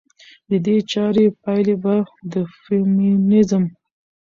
د دې چارې پايلې به د فيمينزم